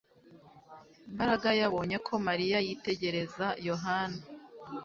Mbaraga yabonye ko Mariya yitegereza Yohana